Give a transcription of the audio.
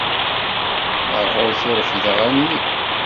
Ar ɣur-k i refdeɣ allen-iw.